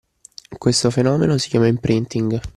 Questo fenomeno si chiama imprinting.